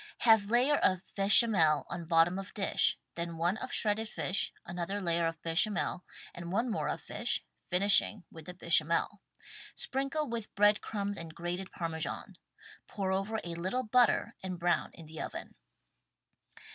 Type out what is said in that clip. Have layer of bechamel on bottom of dish — then one of shredded fish, another layer of bechamel and one more of fish, finishing with the bechamel ; sprinkle with bread crumbs and grated Parmesan. Pour over a little butter and brown in the oven.